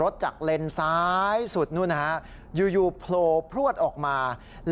โตคศาตรยูโปรบพลวชออกมานะครับ